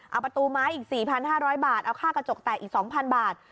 เอาประตูไม้อีก๔๕๐๐บาทเอาค่ากระจกแตกอีก๒๐๐บาท